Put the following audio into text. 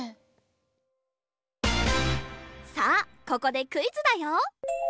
さあここでクイズだよ！